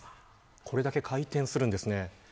これだけ回転するんですね。